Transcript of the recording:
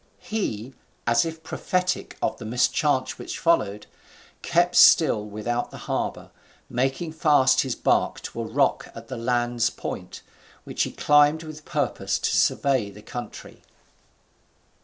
He, as if prophetic of the mischance which followed, kept still without the harbour, making fast his bark to a rock at the land's point, which he climbed with purpose to survey the country.